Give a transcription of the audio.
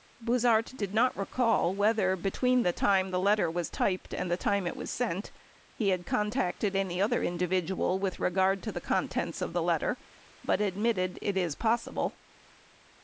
89 Buz hardt did not recall whether between the time the letter was typed and the time it was sent, he contacted any other individual with regard to the contents of the letter but admitted, "it is possible."